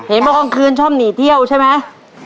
เห็นเมื่อกลางคืนชอบหนีเที่ยวใช่ไหม